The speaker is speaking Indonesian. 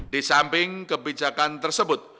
di samping kebijakan tersebut